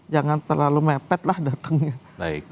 jangan terlalu mepet lah datangnya